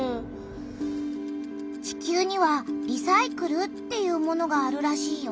地球には「リサイクル」っていうものがあるらしいよ。